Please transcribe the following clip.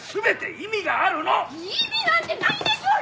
意味なんてないでしょうよ！